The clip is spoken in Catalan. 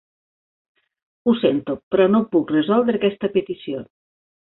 Ho sento, però no puc resoldre aquesta petició.